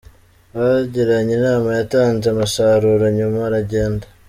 Bagiranye inama yatanze umusaruro, nyuma aragenda.